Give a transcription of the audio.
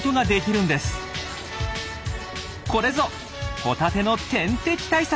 これぞホタテの天敵対策。